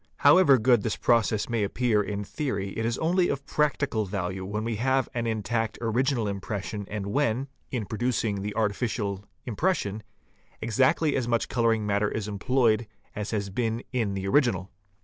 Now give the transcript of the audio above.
However good this process may appear in theory, it is only of practical value when we have an intact original impression and when, D in producing the artificial impression, exactly as much fig. 98. colouring matter is employed as has been in the original.